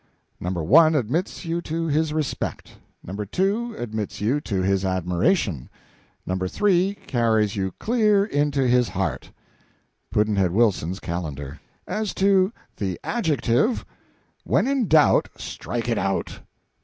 No. 1 admits you to his respect; No. 2 admits you to his admiration; No. 3 carries you clear into his heart. Pudd'nhead Wilson's Calendar. As to the Adjective: when in doubt, strike it out.